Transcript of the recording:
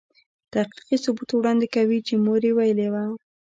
تحقیقي ثبوت وړاندې کوي چې مور يې ویلې وه.